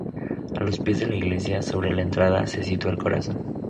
A los pies de la iglesia, sobre la entrada, se sitúa el corazón.